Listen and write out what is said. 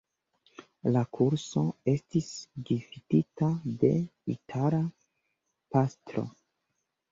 La kurso estis gvidita de itala pastro.